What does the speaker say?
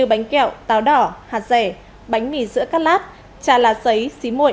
như bánh kẹo táo đỏ hạt rẻ bánh mì sữa cát lát trà lá sấy xí muội